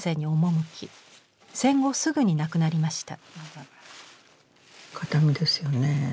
戦後すぐに亡くなりました。